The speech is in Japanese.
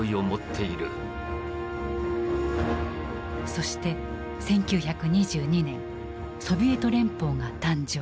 そして１９２２年ソビエト連邦が誕生。